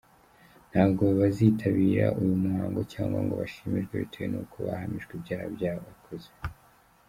Ntabwo bazitabira uyu muhango cyangwa ngo bashimirwe bitewe nuko bahamijwe ibyaha bya bakoze.